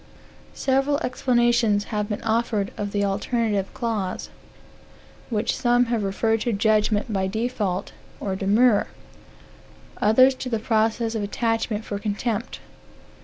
Several explanations have been offered of the alternative clause; which some have referred to judgment by default, or demurrer; others to the process of attachment for contempt.